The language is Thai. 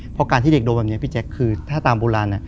เพราะการที่เด็กโดนแบบนี้พี่แจ๊คคือถ้าตามโบราณ